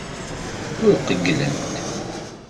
Ur qeyylent.